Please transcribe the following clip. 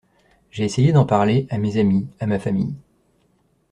J’ai essayé d’en parler, à mes amis, à ma famille.